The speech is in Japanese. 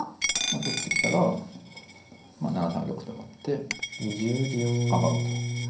取ってきたら７三玉と上がって頑張ろうと。